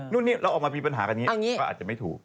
นู่นนี่เราออกมามีปัญหากันอย่างนี้ก็อาจจะไม่ถูก